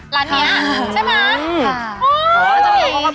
ร้านนี้ใช่ไหม